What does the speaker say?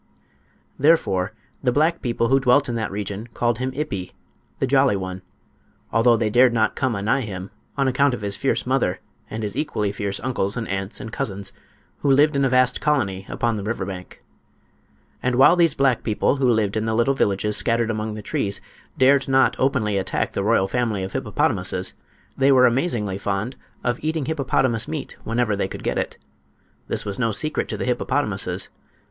Therefore the black people who dwelt in that region called him "Ippi"—the jolly one, although they dared not come anigh him on account of his fierce mother, and his equally fierce uncles and aunts and cousins, who lived in a vast colony upon the river bank. And while these black people, who lived in little villages scattered among the trees, dared not openly attack the royal family of hippopotamuses, they were amazingly fond of eating hippopotamus meat whenever they could get it. This was no secret to the hippopotamuses.